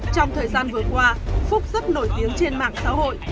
trong thời gian vừa qua phúc rất nổi tiếng trên mạng xã hội